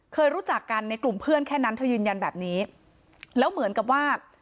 เคยรู้จักกันในกลุ่มเพื่อนแค่นั้นเธอยืนยันแบบนี้แล้วเหมือนกับว่า